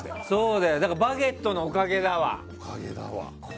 だから「バゲット」のおかげだわ。